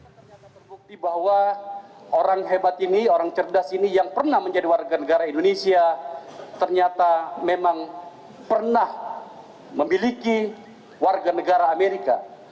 ternyata terbukti bahwa orang hebat ini orang cerdas ini yang pernah menjadi warga negara indonesia ternyata memang pernah memiliki warga negara amerika